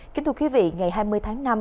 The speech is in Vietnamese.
kính thưa quý vị ngày hai mươi tháng